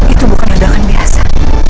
itu bukan adegan biasa